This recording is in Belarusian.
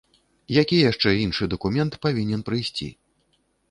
Які яшчэ іншы дакумент павінен прыйсці?